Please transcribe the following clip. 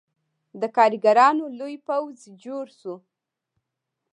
د کارګرانو لوی پوځ جوړ شو.